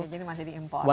jadi masih diimpor